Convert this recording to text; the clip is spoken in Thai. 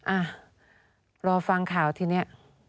อ่ะรอฟังข่าวทีนี้